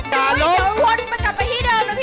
เดี๋ยวคนจะกลับไปที่เดิมนะพี่